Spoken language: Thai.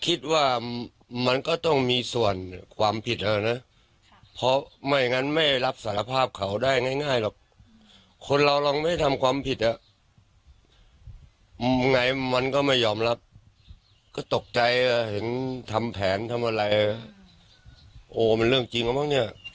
คิดว่ามันก็ต้องมีส่วนความผิดแล้วนะเพราะไม่งั้นไม่รับสารภาพเขาได้ง่ายหรอกคนเราเราไม่ได้ทำความผิดอ่ะไงมันก็ไม่ยอมรับก็ตกใจเห็นทำแผนทำอะไรโอ้มันเรื่องจริงแล้วมั้งเนี่ย